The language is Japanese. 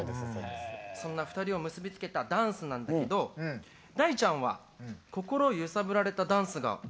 そんな２人を結び付けたダンスなんだけど大ちゃんは心揺さぶられたダンスがあるんだよね？